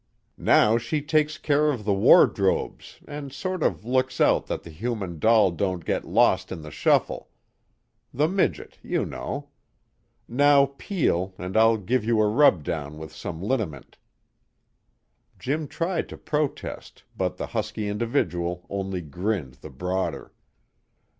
"Now she takes care of the wardrobes and sort of looks out that the Human Doll don't get lost in the shuffle; the midget, you know. Now peel, and I'll give you a rub down with some liniment." Jim tried to protest, but the husky individual only grinned the broader.